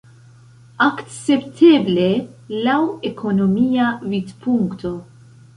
Akcepteble, laŭ ekonomia vidpunkto.